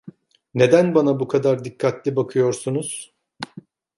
Neden bana bu kadar dikkatli bakıyorsunuz?